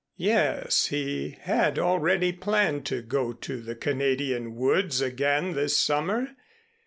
Yes, he had already planned to go to the Canadian woods again this summer.